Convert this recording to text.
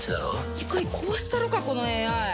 一回壊したろかこのＡＩ。